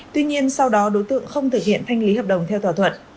nhưng sau đó đối tượng không thực hiện thanh lý hợp đồng theo thỏa thuận